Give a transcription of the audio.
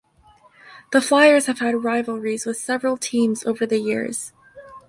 The Flyers have had rivalries with several teams over the years.